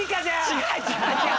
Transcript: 違う違う違う。